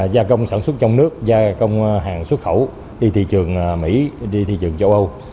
gia công sản xuất trong nước gia công hàng xuất khẩu đi thị trường mỹ đi thị trường châu âu